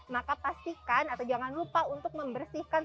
maka pastikan atau jangan lupa untuk membersihkan